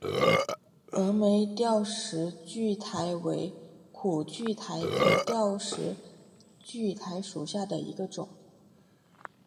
峨眉吊石苣苔为苦苣苔科吊石苣苔属下的一个种。